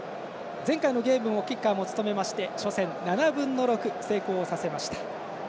前回のゲームでもキッカーも務めまして７分の６を成功させました。